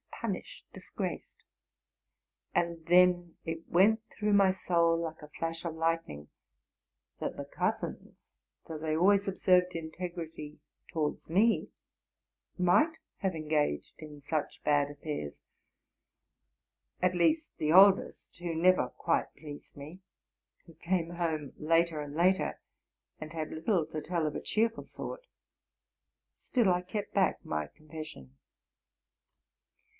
punished, disgraced ; and then it went through my soul like a flash of lightning, that the cousins, though they always observed integrity 'towards me, might have engaged in such ee eer : RELATING TO MY LIFE. 175 bad affairs, at least the oldest, who never quite pleased me, who came home later and later, and had little to tell of a cheerful sort. Still I kept back my confession.